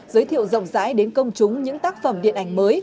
giới thiệu rộng rãi đến công chúng những tác phẩm điện ảnh mới